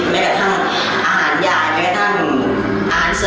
ไม่กระทั่งอาหารใหญ่ไม่กระทั่งอาหารเสริมใหญ่ทุกอย่าง